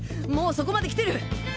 もうそこまで来てる！